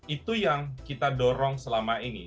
itu yang kita dorong selama ini